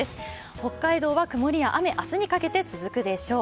北海道は曇りや雨、明日にかけて続くでしょう。